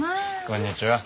こんにちは。